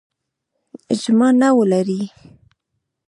اجماع نه ولري.